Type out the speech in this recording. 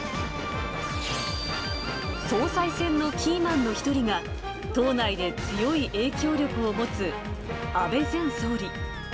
総裁選のキーマンの一人が、党内で強い影響力を持つ、安倍前総理。